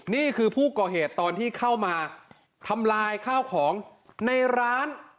นี่คือผู้ก่อเหตุตอนที่เข้ามาทำลายข้าวของในร้าน